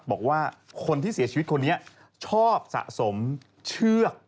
บอกว่าคนที่เสียชีวิตคนนี้ชอบสะสมเชือก